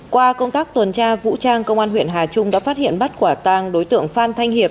qua công tác tuần tra vũ trang công an huyện hà trung đã phát hiện bắt quả tang đối tượng phan thanh hiệp